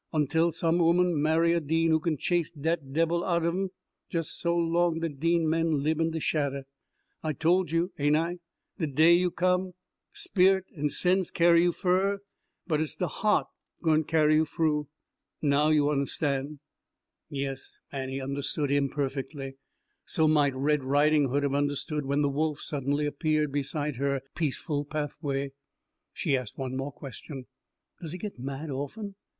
Ontell some ooman marry a Dean who kin chase dat debbil outer him, jes so long de Dean men lib in de shadder. I tole you, ain' I, de day you come, sperrit an' sense carry you fur, but it's de haht gwine carry you froo. Now you un'stan'." Yes, Annie understood, imperfectly. So might Red Riding Hood have understood when the wolf suddenly appeared beside her peaceful pathway. She asked one more question, "Does he get mad often?"